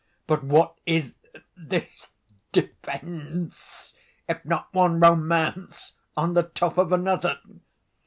But what is this defense if not one romance on the top of another?